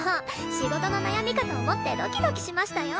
仕事の悩みかと思ってドキドキしましたよ。